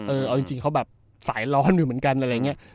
เอาจริงเขาแบบสายร้อนอยู่เหมือนกันอะไรอย่างนี้